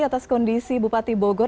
atas kondisi bupati bogor